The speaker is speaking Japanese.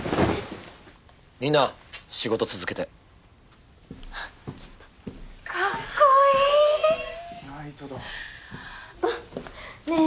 みんな仕事続けてちょっとかっこいいナイトだねぇ